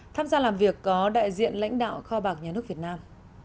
tham gia làm việc có đại diện lãnh đạo kho bạc nhà nước việt nam